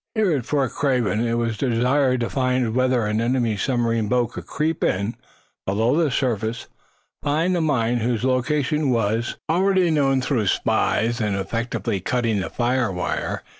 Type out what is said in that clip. Here, at Fort Craven, it was desired to find whether an enemy's submarine boat could creep in, below the surface, find the mine, whose location was already known through spies, and effectively cut the firing wire.